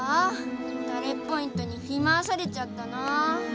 ダレッポイントにふり回されちゃったな。